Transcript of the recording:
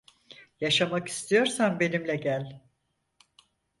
Yaşamak istiyorsan benimle gel.